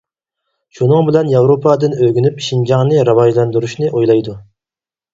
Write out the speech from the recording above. شۇنىڭ بىلەن ياۋروپادىن ئۆگىنىپ شىنجاڭنى راۋاجلاندۇرۇشنى ئويلايدۇ.